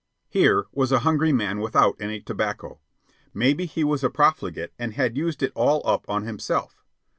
Here was a hungry man without any tobacco. Maybe he was a profligate and had used it all up on himself.